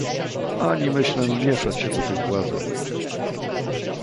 "Ani myślę mieszać się do tych błazeństw!..."